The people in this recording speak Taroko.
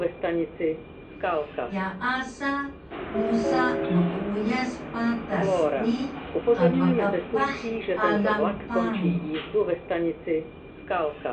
yaasa musa meuyas patas ni qmeepah alang paru